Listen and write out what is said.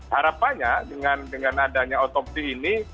harapannya dengan adanya otopsi ini